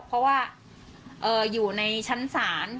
เพราะว่าอยู่ในชั้นศาล